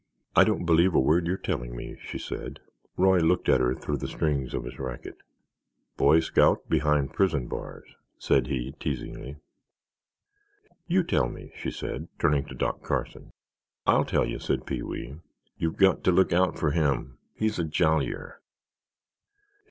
"I don't believe a word you're telling me," she said. Roy looked at her through the strings of his racket. "Boy Scout behind prison bars," said he, teasingly. "You tell me," she said, turning to Doc Carson. "I'll tell you," said Pee wee; "you've got to look out for him, he's a jollier.